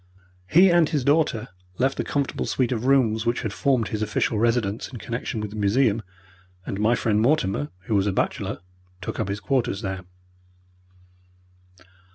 He and his daughter left the comfortable suite of rooms which had formed his official residence in connection with the museum, and my friend, Mortimer, who was a bachelor, took up his quarters there.